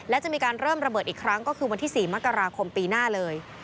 และจะมีการเริ่มระเบิดอีกครั้งก็คือวันที่๔มกราคมปีหน้าเลย